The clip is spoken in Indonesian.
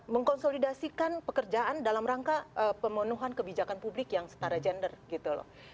mengkonsolidasikan pekerjaan dalam rangka pemenuhan kebijakan publik yang setara gender gitu loh